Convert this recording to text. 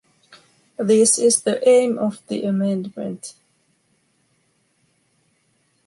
This is the aim of the amendment.